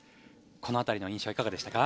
この辺りの印象はいかがでしたか？